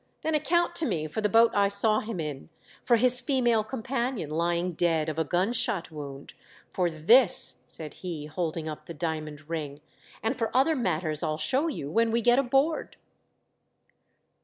" Then account to me for the boat I saw him in, for his female companion lying dead of a gun shot wound; for this," said he, holding up the diamond ring, " and for other matters I'll show you when we get aboard."